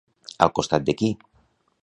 Al costat de qui?